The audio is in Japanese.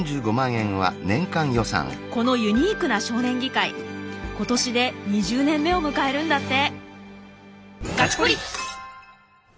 このユニークな少年議会今年で２０年目を迎えるんだって。